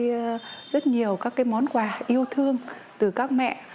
sẽ có rất nhiều các món quà yêu thương từ các mẹ